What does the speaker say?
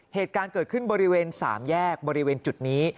เหตุการณ์เกิดขึ้นบริเวณ๓แยกบริเวณจุดนี้